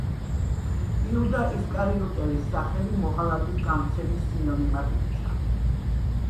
იუდა ისკარიოტელის სახელი მოღალატის, გამცემის სინონიმად იქცა.